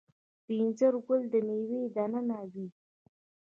د انځر ګل د میوې دننه وي؟